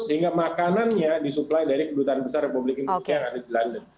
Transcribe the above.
sehingga makanannya disuplai dari kedutaan besar republik indonesia yang ada di london